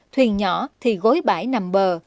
thuyền nhỏ thì gối bãi nằm bờ